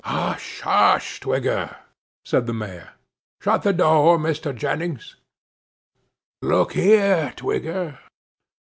'Hush, hush, Twigger!' said the Mayor. 'Shut the door, Mr. Jennings. Look here, Twigger.